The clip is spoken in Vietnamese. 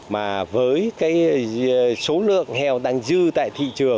mà với số lượng heo đang dư tại